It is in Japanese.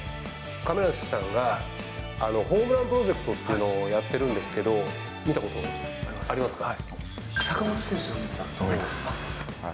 亀梨さんがホームランプロジェクトっていうのをやってるんですけど、見たことありますか？